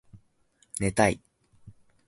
寝たい